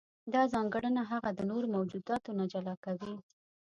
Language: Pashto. دا ځانګړنه هغه د نورو موجوداتو نه جلا کوي.